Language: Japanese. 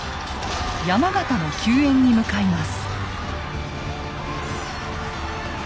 山県の救援に向かいます。